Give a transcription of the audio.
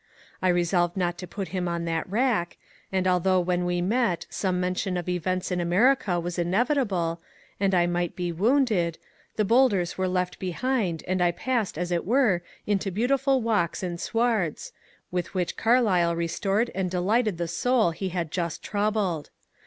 I resolved not to put him on that rack, and al though when we met some mention of events in America was inevitable, and I might be wounded, the boulders were left behind and I passed as it were into beautiful walks and swards, with which Carlyle restored and delighted the soul he had just troubled.